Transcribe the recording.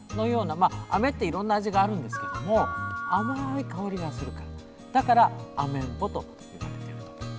あめっていろんな味があるんですけども甘い香りがするからだからアメンボといわれている。